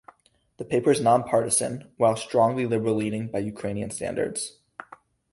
The paper is non-partisan, while strongly liberal-leaning by Ukrainian standards.